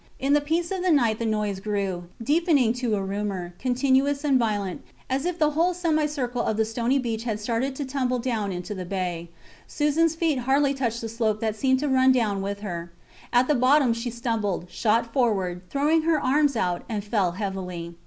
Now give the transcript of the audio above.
In the peace of the night the noise grew, deepening to a rumour, continuous and violent, as if the whole semicircle of the stony beach had started to tumble down into the bay. Susans feet hardly touched the slope that seemed to run down with her. At the bottom she stumbled, shot forward, throwing her arms out, and fell heavily.